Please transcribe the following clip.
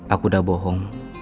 aku udah bohong